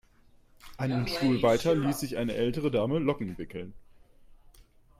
Einen Stuhl weiter ließ sich eine ältere Dame Locken wickeln.